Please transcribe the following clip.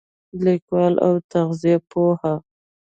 لیکواله او تغذیه پوهه